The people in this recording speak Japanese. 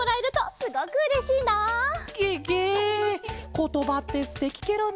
ことばってすてきケロね。